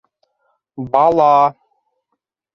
Бала!..